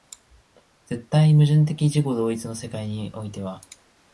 絶対矛盾的自己同一の世界においては、